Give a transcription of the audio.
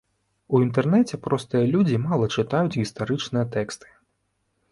У інтэрнэце простыя людзі мала чытаюць гістарычныя тэксты.